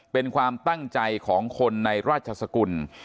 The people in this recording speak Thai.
เป็นความตั้งใจของคนในราชสกุล